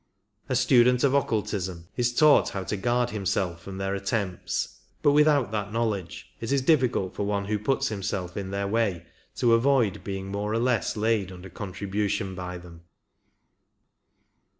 A student of occultism is taught how to guard himself from their attempts, but without that knowledge it is difficult for one who puts himself in their way to avoid being more or less laid under contribution by them.